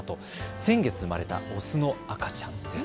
先月生まれたオスの赤ちゃんです。